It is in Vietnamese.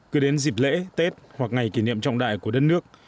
cứ đến dịp lễ tết hoặc ngày kỷ niệm trọng đại của đất nước